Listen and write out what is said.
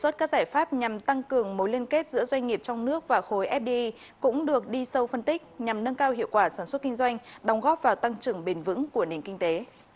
tăng cường mối liên kết giữa doanh nghiệp trong nước và khối fdi cũng được đi sâu phân tích nhằm nâng cao hiệu quả sản xuất kinh doanh đóng góp vào tăng trưởng bền vững của nền kinh tế